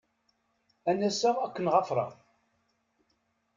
Ad n-aseɣ ad ken-ɣafṛeɣ.